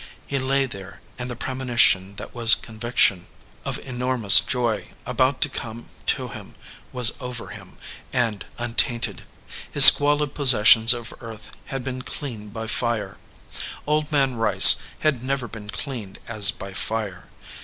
He lay there, and the premonition, that was conviction, of enor 48 THE OLD MAN OF THE FIELD mous joy about to come to him was over him, and untainted. His squalid possessions of earth had been cleaned by fire. Old Man Rice had never been cleaned as by fire.